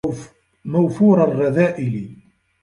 مَوْفُورَ الرَّذَائِلِ